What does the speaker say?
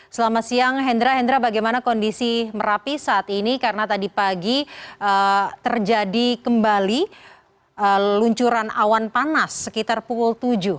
selamat siang hendra hendra bagaimana kondisi merapi saat ini karena tadi pagi terjadi kembali luncuran awan panas sekitar pukul tujuh